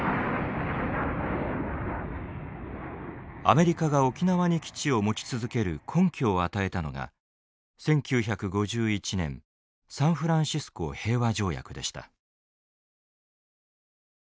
アメリカが沖縄に基地を持ち続ける根拠を与えたのが１９５１年サンフランシスコ平和条約でした。